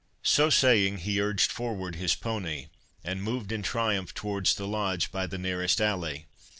So saying, he urged forward his pony, and moved in triumph towards the Lodge by the nearest alley.